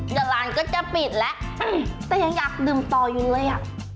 น้ำลางก็จะปิดแล้วแต่ยังอยากดื่มต่อยู่เลย